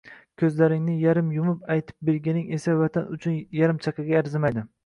ko‘zlaringni yarim yumib aytib berganing esa vatan uchun yarim chaqaga arzimaydi.